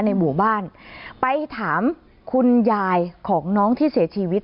ในหมู่บ้านไปถามคุณยายของน้องที่เสียชีวิต